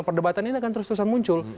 perdebatannya kan terus terusan muncul